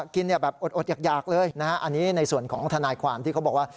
กินแบบอดอยากเลยนะฮะอันนี้ในส่วนของทนายความที่เขาบอกว่า